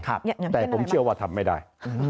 แต่ผมเชื่อว่าทำไม่ได้